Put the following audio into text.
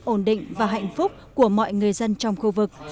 ổn định và hạnh phúc của mọi người dân trong khu vực